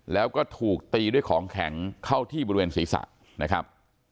แล้วก็ถูกตีด้วยของแข็งเข้าที่บริเวณศีรษะนะครับ